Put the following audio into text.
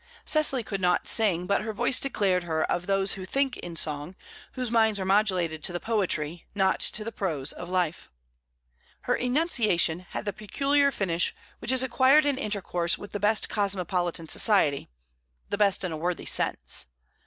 Cecily could not sing, but her voice declared her of those who think in song, whose minds are modulated to the poetry, not to the prose, of life. Her enunciation had the peculiar finish which is acquired in intercourse with the best cosmopolitan society, the best in a worthy sense.